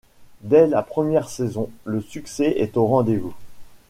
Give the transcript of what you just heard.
Dès la première saison, le succès est au rendez-vous.